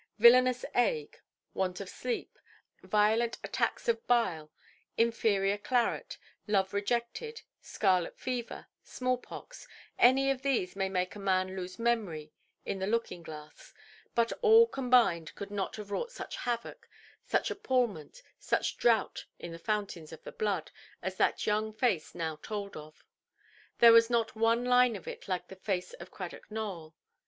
Villainous ague, want of sleep, violent attacks of bile, inferior claret, love rejected, scarlet fever, small–pox, any of these may make a man lose memory in the looking–glass; but all combined could not have wrought such havoc, such appalment, such drought in the fountains of the blood, as that young face now told of. There was not one line of it like the face of Cradock Nowell.